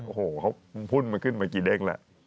โอ้โหเขาพุ่นมันขึ้นเมื่อกี้เด้งละ